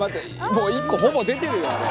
もう１個ほぼ出てるよあれ」